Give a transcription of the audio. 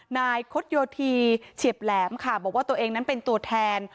นายคดโยธีเฉียบแหลมค่ะบอกว่าตัวเองนั้นเป็นตัวแทน